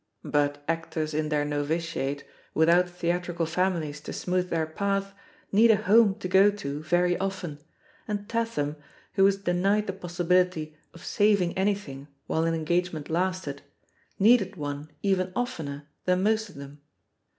But actors in their novitiate, without theatrical families to smooth their path, need a home to go to very often, and Tatham, who was denied the possi bility of saving anything while an engagement lasted, needed one even oftener than most of them.